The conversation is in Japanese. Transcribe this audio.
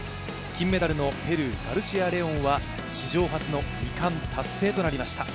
金メダルのペルーガルシア・レオンは史上初の２冠達成となりました。